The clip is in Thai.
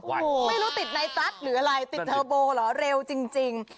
โอ้โหไม่รู้ติดในตัสหรืออะไรติดเทอร์โบเหรอเร็วจริง